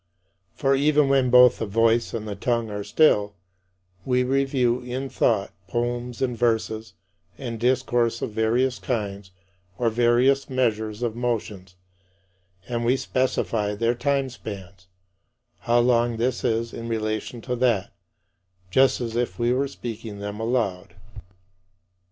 For, even when both the voice and the tongue are still, we review in thought poems and verses, and discourse of various kinds or various measures of motions, and we specify their time spans how long this is in relation to that just as if we were speaking them aloud.